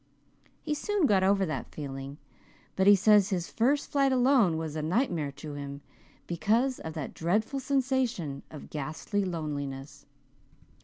He soon got over that feeling, but he says his first flight alone was a nightmare to him because of that dreadful sensation of ghastly loneliness."